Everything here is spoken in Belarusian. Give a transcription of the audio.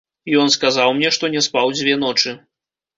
Ён сказаў мне, што не спаў дзве ночы.